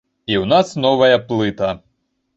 І ў нас новая плыта!